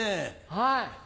はい。